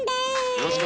よろしく。